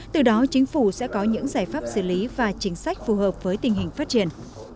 từ đó chính phủ sẽ có những giải pháp xử lý và chính sách phù hợp với tình hình phát triển